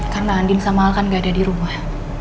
karena andin sama al kan gak ada di rumah